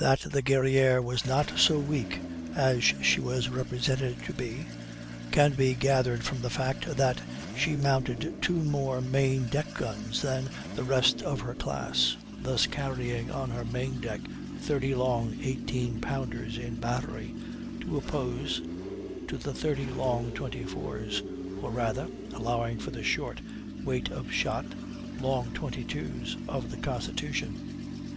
That the Guerrière was not so weak as she was represented to be can be gathered from the fact that she mounted two more main deck guns than the rest of her class; thus carrying on her main deck 30 long 18 pounders in battery, to oppose to the 30 long 24's, or rather (allowing for the short weight of shot) long 22's, of the Constitution.